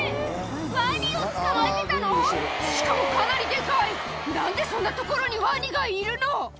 ワニを捕まえてたの⁉しかもかなりデカい何でそんなところにワニがいるの！